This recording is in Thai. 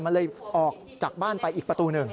มันเลยออกจากบ้านไปอีกประตูหนึ่ง